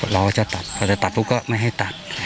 เราก็จะตัดถ้าจะตัดเราก็ไม่ให้ตัด